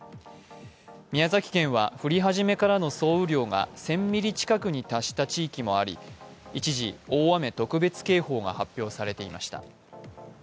宮崎県は降り始めからの総雨量が１０００ミリ近くに達した地域もあり、一時、大雨特別警報が発表されていました。